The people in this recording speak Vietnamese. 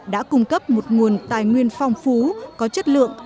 đã cung cấp một nguồn tài nguyên phong phú có chất lượng